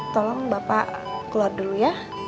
tolong bapak keluar dulu ya